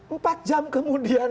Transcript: empat jam kemudian